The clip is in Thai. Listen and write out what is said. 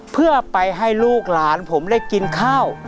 เพื่อไปให้ลูกหลานผมได้กินข้าว